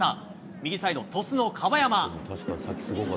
右サイド、鳥栖の樺山。